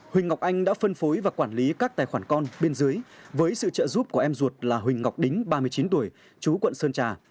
huỳnh ngọc anh đã phân phối và quản lý các tài khoản con bên dưới với sự trợ giúp của em ruột là huỳnh ngọc đính ba mươi chín tuổi chú quận sơn trà